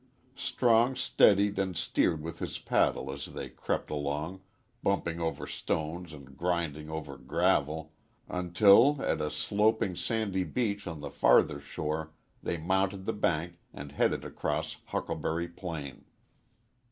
Strong steadied and steered with his paddle as they crept along, bumping over stones and grinding over gravel until, at a sloping, sandy beach on the farther shore, they mounted the bank and headed across Huckleberry Plain.